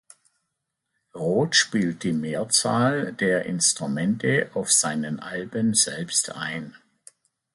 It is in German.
Roth spielt die Mehrzahl der Instrumente auf seinen Alben selbst ein.